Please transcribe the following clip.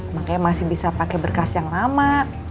makanya masih bisa pakai berkas yang lama